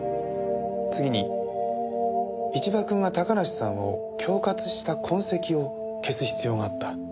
次に一場君が高梨さんを恐喝した痕跡を消す必要があった。